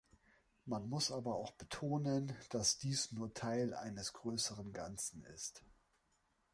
Man muss aber betonen, dass dies nur Teil eines größeren Ganzen ist.